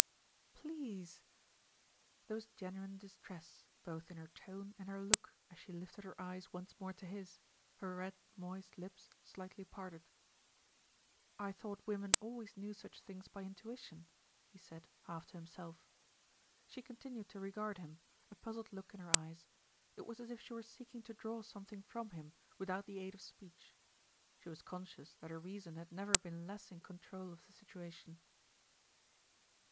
"Pleeeeeeeeease !" There was genuine distress, both in her tone and her look, as she lifted her eyes once more to his, her red, moist lips slightly parted. "I thought women always knew such things by in tuition," he said, half to himself. She continued to regard him, a puzzled look in her eyes. It was as if she were seeking to draw something from him without the aid of speech. She was conscious that her reason had never been less in control of the situation.